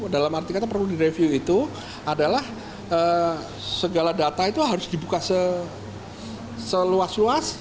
dalam arti kata perlu direview itu adalah segala data itu harus dibuka seluas luas